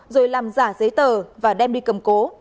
rồi làm giả giấy tờ và đem đi cầm cố